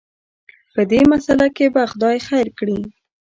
په دې مساله کې به خدای خیر کړي.